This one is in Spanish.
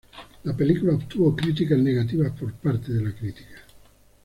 La película obtuvo críticas negativas por parte de la crítica.